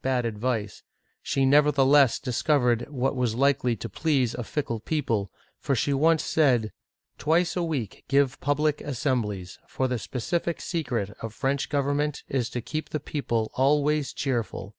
bad advice, she nevertheless discovered what was likely to please a fickle people, for she once said :" Twice a week give pub lic assemblies, for the specific secret of French government is to keep the people always cheerful.